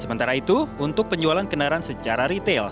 sementara itu untuk penjualan kendaraan secara retail